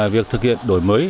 việc thực hiện đổi mới